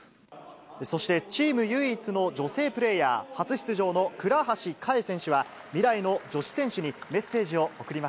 そしてチーム唯一の女性プレーヤー、初出場の倉橋香衣選手は、未来の女子選手に、メッセージを送りま